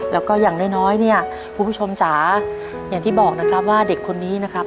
แล้วก็อย่างน้อยเนี่ยคุณผู้ชมจ๋าอย่างที่บอกนะครับว่าเด็กคนนี้นะครับ